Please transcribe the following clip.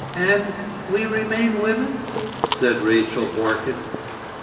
'And—we remain women,' said Rachel Borken.